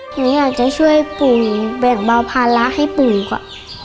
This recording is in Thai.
หนูอยากจะช่วยปู่แบ่งเบาภาระให้ปู่ค่ะ